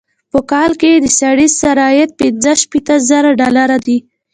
په کال کې یې د سړي سر عاید پنځه شپيته زره ډالره دی.